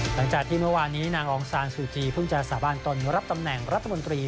หลังจากที่เมื่อวานนี้นางองซานซูจีเพิ่งจะสาบานตนรับตำแหน่งรัฐมนตรี